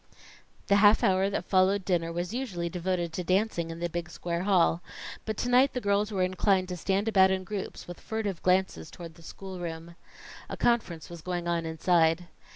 The half hour that followed dinner was usually devoted to dancing in the big square hall, but to night the girls were inclined to stand about in groups with furtive glances toward the schoolroom. A conference was going on inside.